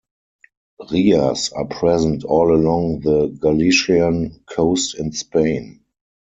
Rias are present all along the Galician coast in Spain.